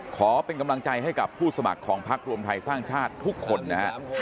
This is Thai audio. ขอเป็นกำลังใจให้กับผู้สมัครของพักรวมไทยสร้างชาติทุกคนนะฮะ